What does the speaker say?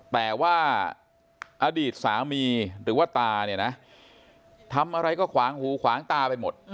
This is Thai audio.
แต่ว่าอดีตสามีหรือว่าตาเนี่ยนะทำอะไรก็ขวางหูขวางตาไปหมด